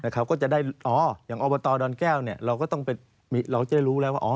ก็จะได้อย่างอดแก้วเราก็จะได้รู้แล้วว่า